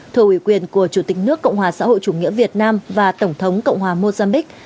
thổ ủy quyền của chủ tịch nước cộng hòa xã hội chủ nghĩa việt nam và tổng thống cộng hòa mozambique